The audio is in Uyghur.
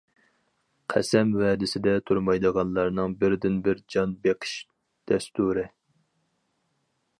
قەسەم-ۋەدىسىدە تۇرمايدىغانلارنىڭ بىردىنبىر جان بېقىش دەستۇرى.